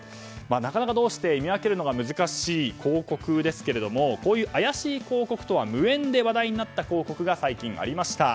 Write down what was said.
なかなかどうして見分けるのが難しい広告ですがこういう怪しい広告とは無縁で話題になった広告が最近ありました。